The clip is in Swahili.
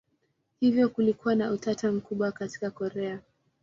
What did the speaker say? Hivyo kulikuwa na utata mkubwa katika Korea.